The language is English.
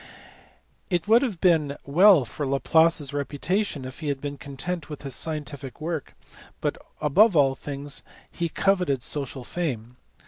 It would have been well for Laplace s reputation if he had been content with his scientific work, but above all things he coveted social fame.